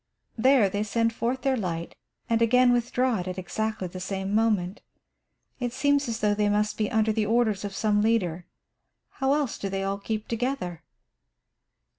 There they send forth their light and again withdraw it at exactly the same moment. It seems as though they must be under the orders of some leader. How else do they keep together?